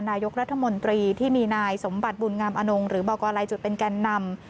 นายกรัฐมนตรีที่มีนายสมบัติบุญงามอนงหรือบอกกรลายจุดเป็นแก่นำ